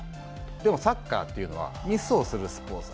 でもサッカーというのはミスをするスポーツだ。